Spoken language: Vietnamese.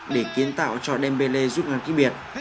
để kiến tạo cho dembele giúp ngăn kích biệt